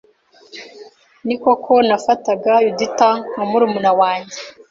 Ni koko nafataga Yudita nka murumuna wanjye